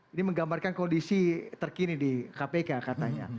ini menggambarkan kondisi terkini di kpk katanya